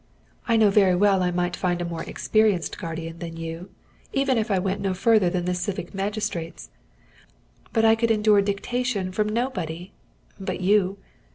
I know very well I might find a more experienced guardian than you, even if I went no further than the civic magistrates; but I could endure dictation from nobody but you.